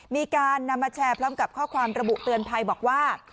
มีการนำมาแชร์พร้อมกับข้อความระบุเตือนภัยบอกว่า